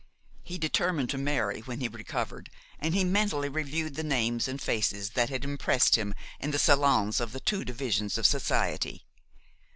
He determined to marry when he recovered, and he mentally reviewed the names and faces that had impressed him in the salons of the two divisions of society.